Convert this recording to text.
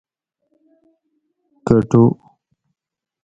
کٹو